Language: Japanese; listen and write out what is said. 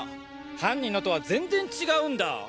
犯人のとは全然違うんだ。